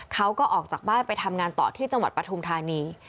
เขาก็ออกจากบ้านไปทำงานต่อที่จังหวัดปฐุมธานี